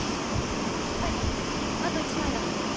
最後あと１枚だ。